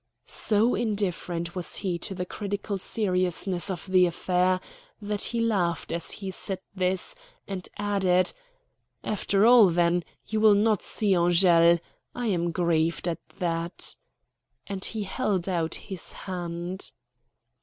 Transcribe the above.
So indifferent was he to the critical seriousness of the affair that he laughed as he said this, and added: "After all, then, you will not see Angele. I am grieved at that," and he held out his hand.